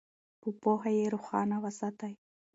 په پوهه یې روښانه وساتئ.